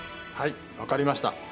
はい分かりました。